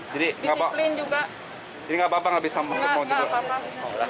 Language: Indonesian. tidak tidak apa apa